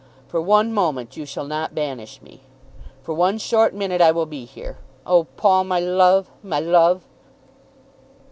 "For one moment you shall not banish me. For one short minute I will be here. Oh, Paul, my love; my love!"